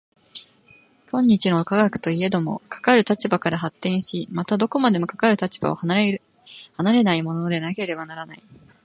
今日の科学といえども、かかる立場から発展し、またどこまでもかかる立場を離れないものでなければならない。